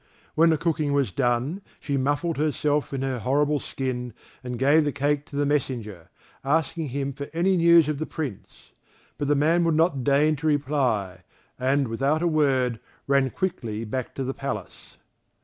When the cooking was done she muffled herself in her horrible skin and gave the cake to the messenger, asking him for news of the Prince; but the man would not deign to reply, and without a word ran quickly back to the palace.